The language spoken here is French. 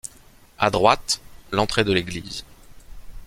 À droite, l’entrée de l’église.